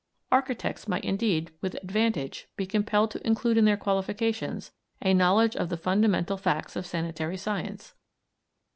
Architects might indeed with advantage be compelled to include in their qualifications a knowledge of the fundamental facts of sanitary science.